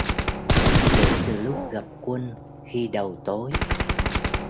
Kể từ lúc gặp quân khi đầu tối